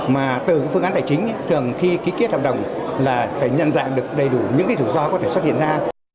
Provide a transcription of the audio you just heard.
mà từ phương án tài chính thường khi ký kiết hợp đồng là phải nhân dạng được đầy đủ những rủi ro có thể xuất hiện ra